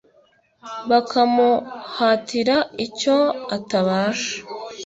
Bakamuhatira icyo atabasha!